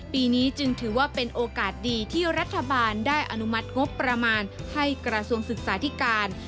ปีนี้จึงถือว่าเป็นโอกาสดีที่รัฐบาลได้อนุมัติงบประมาณให้กระทรวงศึกษาธิการ